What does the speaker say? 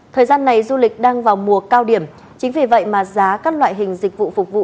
thời gian này du lịch đang vào mùa cao điểm chính vì vậy mà giá các loại hình dịch vụ phục vụ